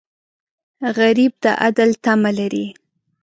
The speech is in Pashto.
غریب د عدل تمه لري